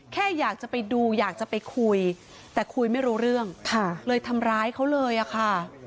แค่อยากจะไปดูอยากจะไปคุยแต่คุยไม่รู้เรื่องเลยทำร้ายเขาเลยอะค่ะ